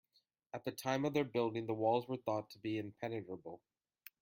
At the time of their building, the walls were thought to be impenetrable.